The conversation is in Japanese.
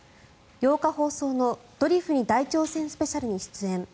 ８日放送の「ドリフに大挑戦スペシャル」に出演。